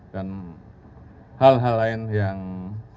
dan hal hal lain yang berlaku